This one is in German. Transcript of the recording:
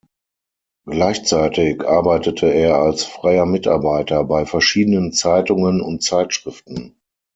Gleichzeitig arbeitete er als Freier Mitarbeiter bei verschiedenen Zeitungen und Zeitschriften.